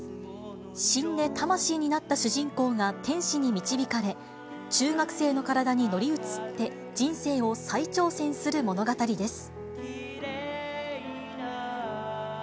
死んで魂になった主人公が天使に導かれ、中学生の体に乗り移って、人生を再挑戦する物語です。